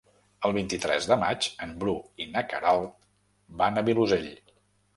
El vint-i-tres de maig en Bru i na Queralt van al Vilosell.